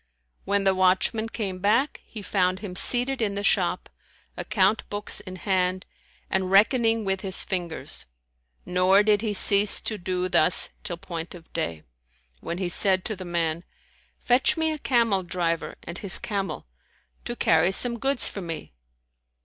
When the watchman came back, he found him seated in the shop, account books inhand, and reckoning with his fingers; nor did he cease to do thus till point of day, when he said to the man, "Fetch me a camel driver and his camel, to carry some goods for me."